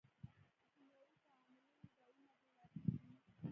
د کیمیاوي تعاملونو ډولونه بیلابیل دي.